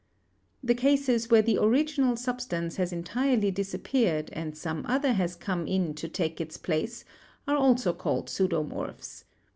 The cases where the original substance has entirely disappeared and some other has come in to take its place are also called pseudomorphs.